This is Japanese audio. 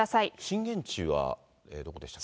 震源地はどこでしたっけ？